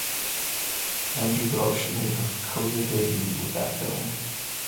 Anju Ghosh made her career debut with that film.